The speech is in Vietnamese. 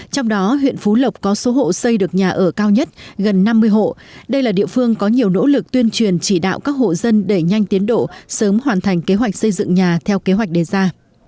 trong đó huyện phú lộc có số hộ xây được nhà ở cao nhất gần năm mươi hộ đây là địa phương có nhiều nỗ lực tuyên truyền chỉ đạo các hộ dân đẩy nhanh tiến độ sớm hoàn thành kế hoạch xây dựng nhà theo kế hoạch đề ra